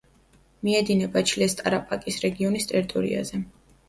მიედინება ჩილეს ტარაპაკის რეგიონის ტერიტორიაზე.